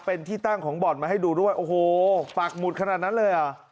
เป็นที่ตั้งของบ่อนมาให้ดูด้วยโอ้โหปากหมุดขนาดนั้นเลยอ่ะ